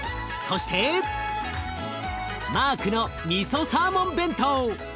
そしてマークのミソサーモン弁当。